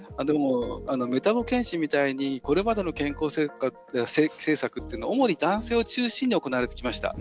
メタボ健診みたいにこれまでの健康政策というのは主に男性を中心に行われてきました。